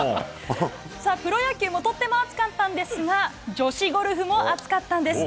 プロ野球もとっても熱かったんですが、女子ゴルフも熱かったんです。